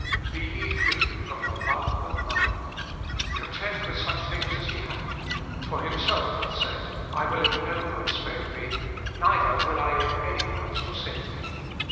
Be ye free from the love of money; content with such tilings as ye have : for himself hath said, I will in no wise fail thee, neither will I in any wise forsake thee.